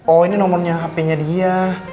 oh ini nomor hpnya dia